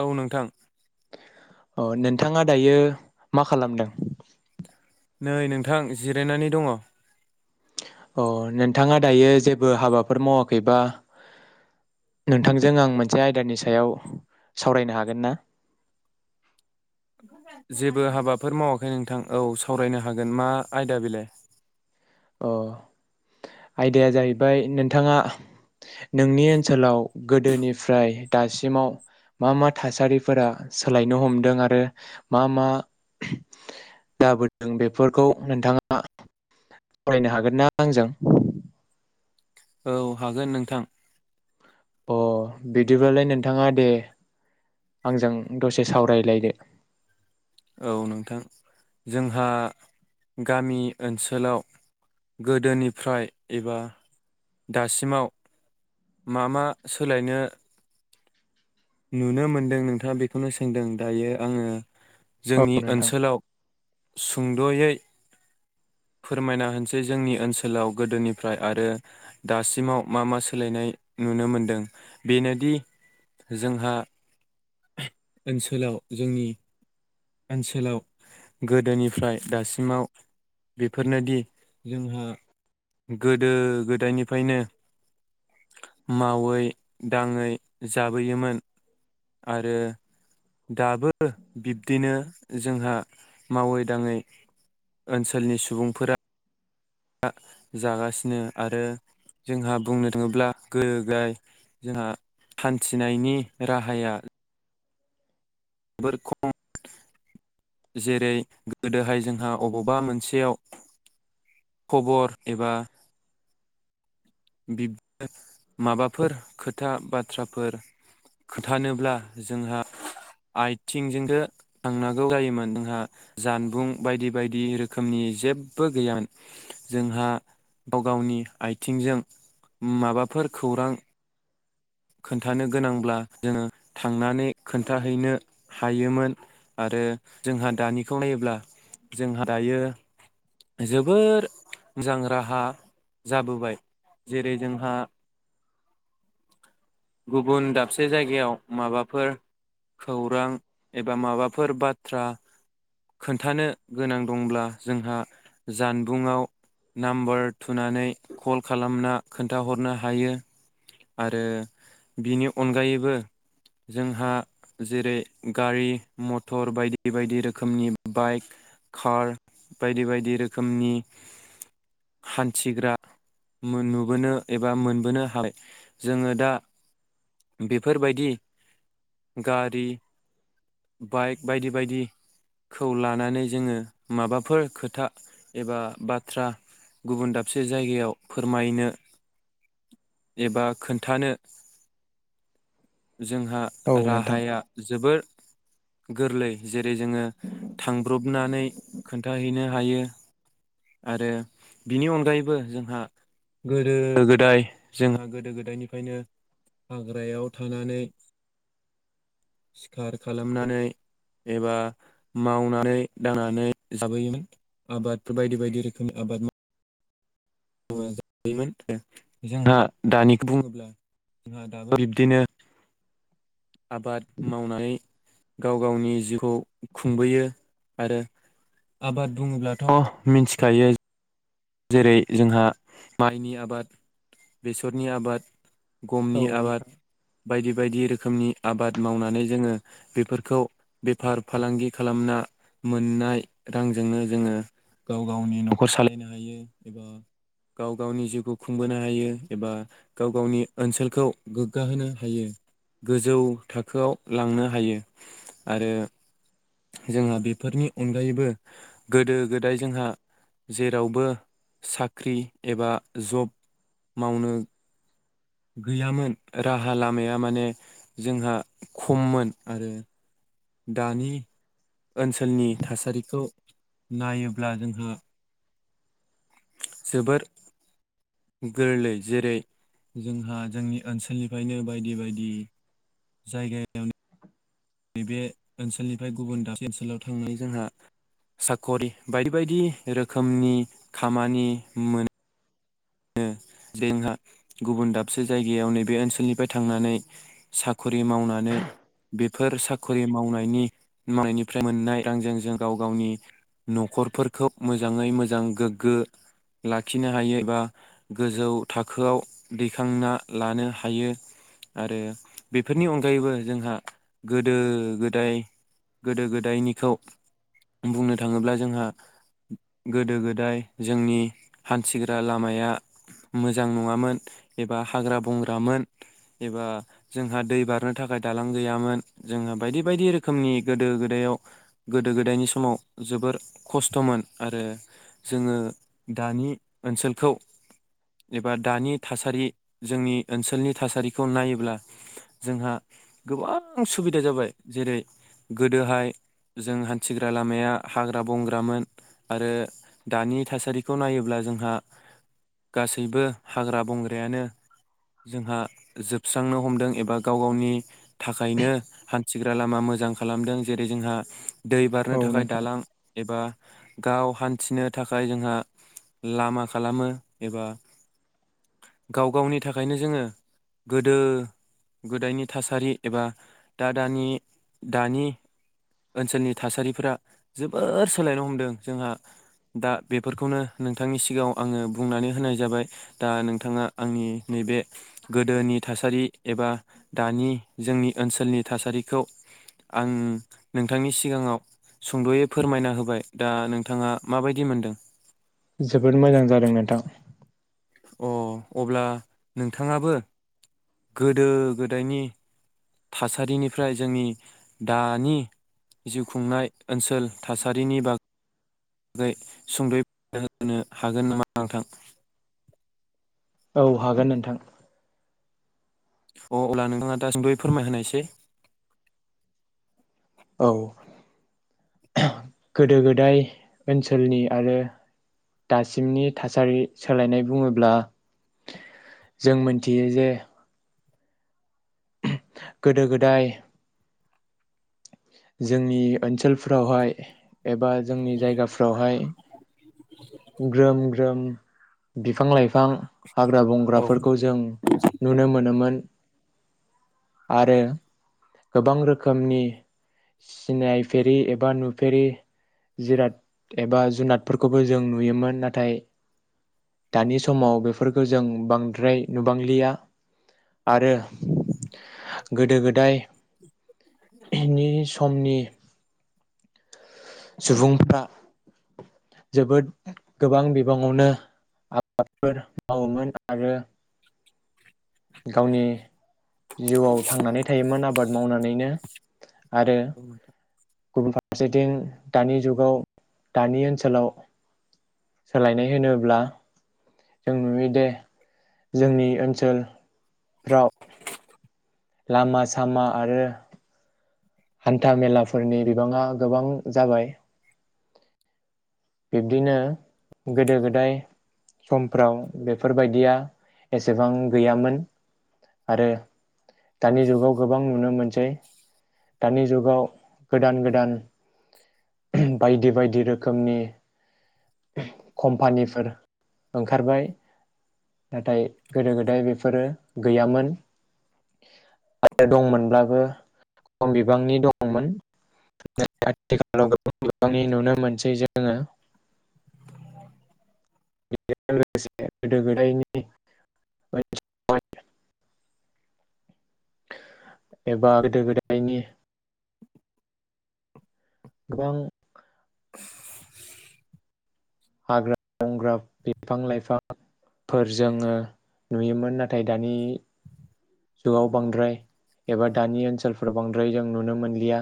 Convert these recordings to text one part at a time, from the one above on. औ नोंथां। अ नोंथाङा दायो मा खालामदों? नै नोंथां जिरायनानै दङ। अ नोंथाङा दायो जेबो हाबाफोर मावाखैबा नोंथांजों आं मोनसे आयदानि सायाव सावरायनो हागोन ना? जेबो हाबाफोर मावाखै नोंथां औ सावरायनो हागोन मा आयदा बेलाय? अ आयदाया जाहैबाय नोंथांङा नोंनि ओनसोलाव गोदोनिफ्राय दासिमाव मा मा थासारिफोरा सोलायनो हमदों आरो मा मा जाबोदों बेफोरखौ नोंथांङा फरायनो हागोनना आंजों? औ हागोन नोंथां। अ बिदिब्लालाय नोंथांङा दे आंजों दसे सावरायलायदो। औ नोंथां जोंहा गामि ओनसोलाव गोदोनिफ्राय एबा दासिमाव मा मा सोलायनो नुनो मोनदों नोंथांङा बेखौनो सोंदों दायो आंङो औ जोंनि नोंथां ओनसोलाव सुंदयै फोरमायना होनोसै जोंनि ओनसोलाव गोदोनिफ्राय आरो दासिमाव मा मा सोलायनाय नुनो मोनदों बेनोदि जोंहा ओनसोलाव जोंनि ओनसोलाव गोदोनिफ्राय दासिमाव बेफोरनोदि जोंहा गोदो गोदाय निफायनो मावै दांङै जाबोयोमोन आरो दाबो बिब्दिनो जोंहा मावै दांङै ओनसोलनि सुबुंफोरा आ जागासिनो आरो जोंहा बुंनो थांङोब्ला गोगाय जोंहा हान्थिनायनि राहाया बोर खम जेरै गोदोहाय जोंहा अबावबा मोनसेयाव खबर एबा बिबनो माबाफोर खोथा बाथ्राफोर खोथानोब्ला जोंहा आयथिंजोंनो थांनांगौ जायोमोन, जोंहा जानबुं बायदि बायदि रोखोमनि जेबो गैयामोन। जोंहा गाव गावनि आयथिंजों माबाफोर खौरां खोन्थानो गोनांब्ला जोंङो थांनानै खोन्थाहैनो हायोमोन, आरो जोंहा दानिखौ नायोब्ला जोंहा दायो जोबोर मोजां राहा जाबोबाय। जेरै जोंहा गुबुन दाबसे जायगायाव माबाफोर खौरां एबा माबाफोर बाथ्रा खोन्थानो गोनां दंब्ला जोंहा जानबुंआव नाम्बार थुनानै कल खालामना खोन्थाहरनो हायो। आरो बिनि अनगायैबो जोंहा जेरै गारि मटर बायदि बायदि रोखोमनि बाइक खार बायदि बायदि रोखोमनि हान्थिग्रा मो-नुबोनो एबा मोनबोनो हाबाय, जोंङो दा बेफोरबायदि गारि बाइक बायदि बायदिखौ लानानै जोंङो माबाफोर खोथा एबा बाथ्रा गुबुन दाबसे जायगायाव फोरमायनो एबा खोन्थानो जोंहा औ नोंथां राहाया जोबोर गोरलै जेरै जोंङो थांब्रबनानै खोन्थाहैनो हायो, आरो बिनि अनगायैबो जोंहा गोदो गोदाय जोंहा गोदो गोदायनिफ्रायनो हाग्रायाव थानानै सिखार खालामनानै एबा मावनानै दांनानै जाबोयोमोन आबादफोर बायदि बायदि रोखोमनि आबाद माव जायोमोन जोंहा दानिखौ बुंङोब्ला जोंहा दाबो बिब्दिनो आबाद मावनानै गाव गावनि जिउखौ खुंबोयो आरो आबाद बुंङोब्लाथ मिथिखायो जेरै जोंहा माइनि आबाद बेसरनि आबाद औ गमनि आबाद नोंथां बायदि बायदि रोख खोमनि आबाद मावनानै जोंङो बेफोरखौ बेफार फालांगि खालामना मोननाय रांजोंनो जोंङो गाव गावनि नखर सालायनो हायो। ओ एबा गाव गावनि जिउखौ खुंबोनो हायो, एबा गाव गावनि ओनसोलखौ गोग्गााहोनो हायो, गोजौ थाखोआव लांनो हायो। आरो जोंहा बेफोरनि अनगायैबो गोदो गोदाय जोंहा जेरावबो साख्रि एबा जब मावनो गैयामोन राहा लामाया माने जोंहा खम'मोन आरो दानि ओनसोलनि थासारिखौ नायोब्ला जोंहा जोबोर गोरलै जेरै जोंहा जोंनि ओनसोलनिफ्रायनो बायदि बायदि जायगायावनो नैबे ओनसोलनिफ्राय गुबुन दाबसे ओनसोलाव थांनानै जोंहा साकरि बायदि बायदि रोखोमनि खामानि मोन नो जोंहा गुबुन दाबसे जायगायाव नैबे ओनसोलनिफ्राय थांनानै साकरि मावनानै बेफोर साकरि मावनायनि मावनायनिफ्राय मोननाय रांजों जों गाव गावनि नखरफोरखौ मोजांङै मोजां गोग्गो लाखिनो हायो, एबा गोजौ थाखोआव दैखांना लानो हायो, आरो बेफोरनि अनगायैबो जोंहा गोदो गोदाय गोदो गोदायनिखौ बुंनो थांङोब्ला जोंहा गोदो गोदाय जोंनि हान्थिग्रा ला माया मोजां नङामोन एबा हाग्रा बंग्रामोन एबा जोंहा दै बारनो थाखाय दालां गैयामोन, जोंहा बायदि बायदि रोखोमनि गोदो गोदायाव गोदो गोदायनि समाव जोबोर खस्थ मोन आरो जोंङो दानि ओनसोल खौ एबा दानि थासारि जोंनि ओनसोलनि थासारिखौ नायोब्ला जोंहा गोबां सुबिदा जाबाय, जेरै गोदोहाय जों हान्थिग्रा लामाया हाग्रा बंग्रामोन आरो दानि थासारिखौ नायोब्ला जोंहा गासैबो हाग्रा बंग्रायानो जोंहा जोबस्रांनो हमदों एबा गाव गावनि थाखायनो हान्थिग्रा लामा मोजां खालामदों, जेरै जोंहा दै औ बारनो थाखाय नोंथां दालां एबा गाव हान्थिनो थाखाय जोंहा लामा खालामो एबा गाव गावनि थाखायनो जोंङो गोदो गोदायनि थासारि एबा दा दानि दानि ओनसोलनि थासारिफोरा जोबोर सोलायनो हमदों जोंहा दा बेफोरखौनो नोंथांनि सिगांङाव आंङो बुंनानै होनाय जाबाय दा नोंथांङा आंनि नैबे गोदोनि थासारि एबा दानि जोंनि ओनसोलनि थासारिखौ आं नोंथांनि सिगांङाव सुंदयै फोरमायना होबाय दा नोंथांङा माबायदि मोनदों? जोबोद मोजां जादों नोंथां अ अब्ला नोंथाङाबो गोदो गोदायनि थासारिनिफ्राय जोंनि दानि जिउ खुंनाय ओनसोल थासारिनि बाग बागै सुंद होनो हागोन नामा नोंथां औ हागोन नोंथां अ अब्ला नोंथाङा दासिमबो फोरमायहोनायसै औ गोदो गोदाय ओनसोलनि आरो दासिमनि थासारि सोलायनाय बुङोब्ला जों मोनथियो जे गोदो गोदाय जोंनि ओनसोलफ्रावहाय एबा जोंनि जायगाफ्रावहाय ग्रोम ग्रोम बिफां लाइफां हाग्रा औ बंग्राफोरखौ जों नुनो मोनोमोन आरो गोबां रोखोमनि सिनायफेरि एबा नुफेरि जिराद एबा जुनादफोरखौबो जों जों नुयोमोन नाथाय दानि समाव बेफोरखौ जों बांद्राय नुबांलिया आरो उ [inaudible] गोदो गोदायनि समनि सुबुंफ्रा जोबोद गोबां बिबाङावनो आबादफोर मावोमोन आरो। गावनि जिउआव थांनानै थायोमोन आबाद मावनानैनो आरो गुबुन फारसेथिं दानि जुगाव दानि ओनसोलाव सोलायनाय होनोब्ला। जों नुयोदिे जोंनि ओनसोलफ्राव। लामा सामा आरो। हान्था मेलाफोरनि बिबाङा गोबां जाबाय। बिब्दिनो। गोदो गोदाय। समफ्राव बेफोरबायदिया एसेबां गैयामोन आरो। दानि जुगाव गोबां नुनो मोनसै। दानि जुगाव गोदान गोदान बायदि बायदि रोखोमनि। कम्पानिफोर ओंखारबाय नाथाय गोदो गोदाय बेफोरो गैयामोन आरो दंमोनब्लाबो खम बिबांनि दंमोन आथिखालाव गोबां बिबांनि नुनो मोनसै जोङो। बेजों लोगोसे गोदो गोदायनि। एबा गोदो गोदायनि। गोबां। हाग्रा बंग्रा बिफां लाइफांफोर जोङो नुयोमोन नाथाय दानि। जुगाव बांद्राय एबा दानि ओनसोलफोराव बांद्राय जों नुनो मोनो। या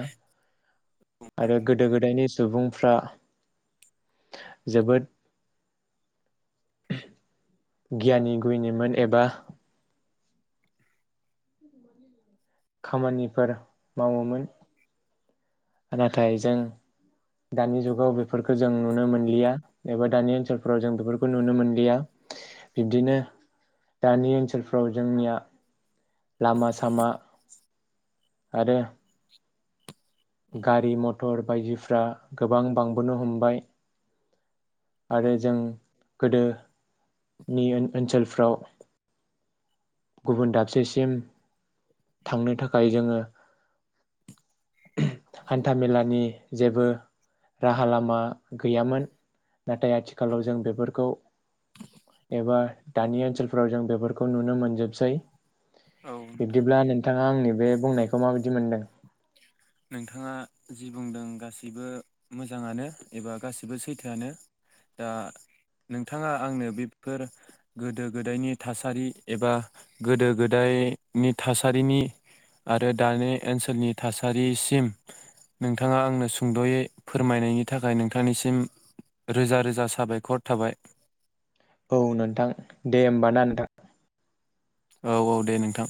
आरो गोदो गोदायनि सुबुंफ्रा। जोबोद गियानि गुयनिमोन एबा। खामानिफोर मावोमोन। नाथाय जों दानि जुगाव बेफोरखौ जों नुनो मोनलिया एबा दानि ओनसोलफोराव जों बेफोरखौ नुनो मोनलिया बिब्दिनो दानि ओनसोलफ्राव जोंनिया लामा सामा। आरो। गारि मथर बायदिफ्रा गोबां बांबोनो हमबाय। आरो जों गोदोनि ओनसोल। फ्राव गुबुन दाबसेसिम थांनो थाखाय जोङो हान्थामेलानि जेबो राहा लामा गैयामोन। नाथाय आथिखालाव जों औ बेफोरखौ। एबा दानि ओनसोलफोराव जों बेफोरखौ नुनो मोनजोबसै। औ नोंथां बिब्दिब्ला नोंथाङा आंनि बे बुंनायखौ माबायदि मोनदों। नोंथाङा जि बुंदों गासैबो मोजाङानो एबा गासैबो सैथोआनो दा नोंथाङा आंनो बेफोर गोदो गोदायनि थासारि एबा गोदो गोदायनि थासारिनि आरो दानि ओनसोलनि थासारि। थासारिसिम नोंथाङा आंनो सुंदयै फोरमायनायनि थाखाय नोंथांनिसिम रोजा रोजा साबायखर थाबाय। औ नोंथां दे होमब ना नोंथां। औ औ दे नोंथां।